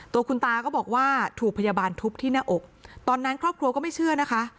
ตัวคุณตาก็บอกว่าถูกพยาบาลทุบที่หน้าอกตอนนั้นครอบครัวก็ไม่เชื่อนะคะ